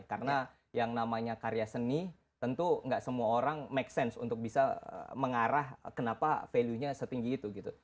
karena yang namanya karya seni tentu nggak semua orang make sense untuk bisa mengarah kenapa value nya setinggi itu